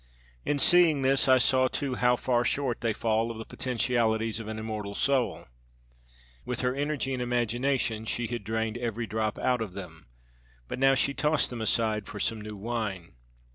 In seeing this I saw too how far short they fall of the potentialities of an immortal soul. With her energy and imagination she had drained every drop out of them, but now she tossed them aside for some new wine.